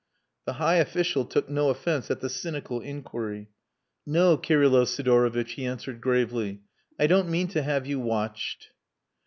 The high official took no offence at the cynical inquiry. "No, Kirylo Sidorovitch," he answered gravely. "I don't mean to have you watched."